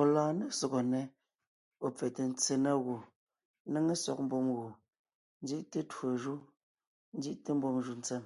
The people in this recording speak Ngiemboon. Ɔ̀ lɔɔn ne sɔgɔ nnɛ́, ɔ̀ pfɛte ntse na gù, ńnéŋe sɔg mbùm gù, ńzí’te twó jú, ńzí’te mbùm jù ntsèm.